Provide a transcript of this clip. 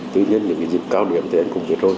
tuy nhiên những dịp cao điểm thì anh cũng chết rồi